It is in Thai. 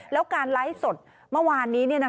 แล้วการไลฟ์สดเมื่อวานนี้